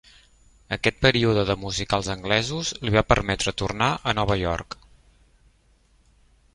Aquest període de musicals anglesos li va permetre tornar a Nova York.